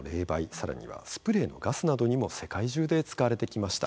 更にはスプレーのガスなどにも世界中で使われてきました。